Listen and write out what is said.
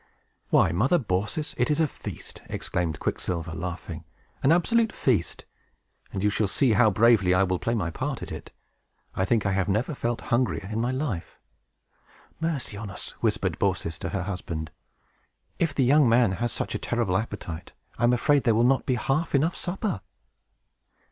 "Why, Mother Baucis, it is a feast!" exclaimed Quicksilver, laughing, "an absolute feast! and you shall see how bravely I will play my part at it! I think I never felt hungrier in my life." "Mercy on us!" whispered Baucis to her husband. "If the young man has such a terrible appetite, I am afraid there will not be half enough supper!"